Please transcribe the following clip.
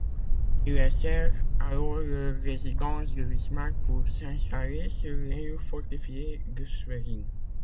Ils laissèrent alors leur résidence de Wismar pour s'installer sur l'île fortifiée de Schwerin.